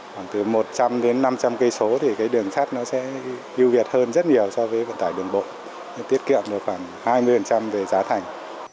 khoảng từ một trăm linh đến năm trăm linh km thì cái đường sắt nó sẽ ưu việt hơn rất nhiều so với vận tải đường bộ tiết kiệm được khoảng hai mươi về giá thành